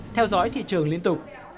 theo dõi thị trường liên tục